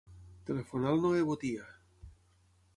Telefona al Noè Botia.